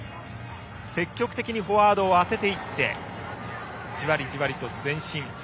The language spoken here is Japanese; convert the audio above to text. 積極的にフォワードを当てていきじわりじわりと前進。